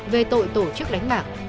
về tội tổ chức đánh bạc